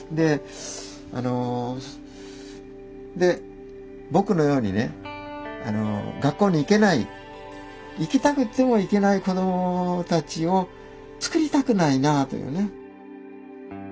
で僕のようにね学校に行けない行きたくても行けない子どもたちを作りたくないなというね。